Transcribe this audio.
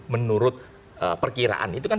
menurut perkiraan itu kan